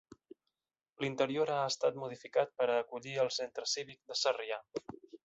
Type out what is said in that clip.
L'interior ha estat modificat per a acollir el Centre Cívic de Sarrià.